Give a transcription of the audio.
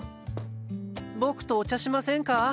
僕とお茶しませんか？